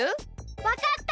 わかった！